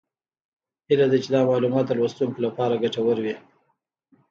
هیله ده چې دا معلومات د لوستونکو لپاره ګټور وي